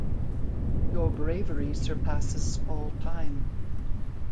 Your bravery surpasses all time.